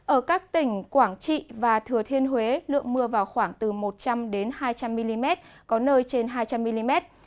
ở các tỉnh quảng trị và thừa thiên huế lượng mưa vào khoảng từ một trăm linh hai trăm linh mm có nơi trên hai trăm linh mm